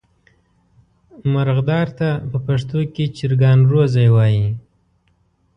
مرغدار ته په پښتو کې چرګان روزی وایي.